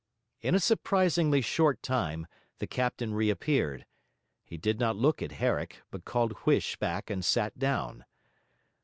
In a surprisingly short time, the captain reappeared; he did not look at Herrick, but called Huish back and sat down.